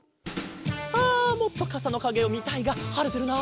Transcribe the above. あもっとかさのかげをみたいがはれてるな。